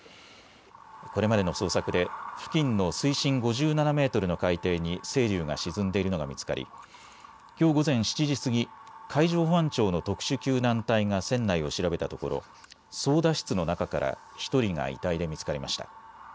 これまでの捜索で付近の水深５７メートルの海底にせいりゅうが沈んでいるのが見つかり、きょう午前７時過ぎ、海上保安庁の特殊救難隊が船内を調べたところ、操だ室の中から１人が遺体で見つかりました。